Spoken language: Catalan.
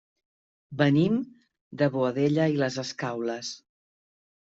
Venim de Boadella i les Escaules.